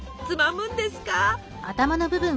つまむんですか？